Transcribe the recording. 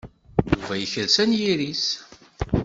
Yuba yekres anyir-is.